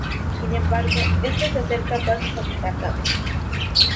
Sin embargo, esta se acerca a pasos agigantados.